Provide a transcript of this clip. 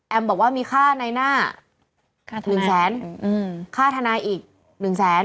แอมบอกว่ามีค่าในหน้า๑แสนค่าทนายอีก๑แสน